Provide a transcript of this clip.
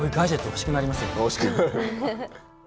欲しくなる。